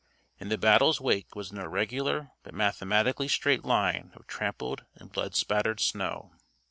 In the battle's wake was an irregular but mathematically straight line of trampled and blood spattered snow.